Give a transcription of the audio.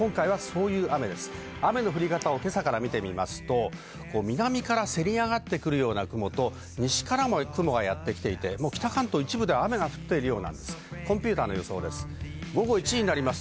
雨の降り方を見てみますと、南からせり上がってくるような雲と、西からも雲がやってきて、北関東一部では雨が降っています。